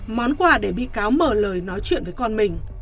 món quà để bị cáo mở lời nói chuyện với con mình